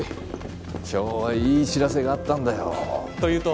今日はいい知らせがあったんだよ。というと？